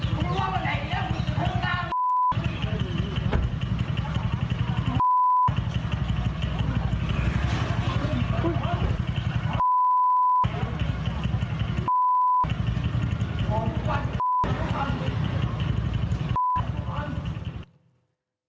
โอ้โฮด้านนี้